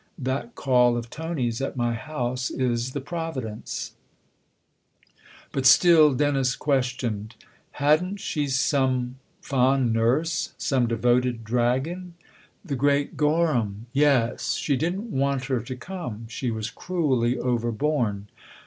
That call of Tony's at my house is the providence !" But still Dennis questioned. " Hadn't she some fond nurse some devoted dragon ?"" The great Gorham ? Yes : she didn't want her to come; she was cruelly overborne.